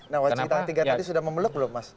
nawacita ketiga tadi sudah memeluk belum mas